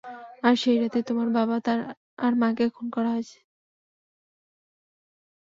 আর সেই রাতেই, তোমার বাবা আর মাকে খুন করা হয়।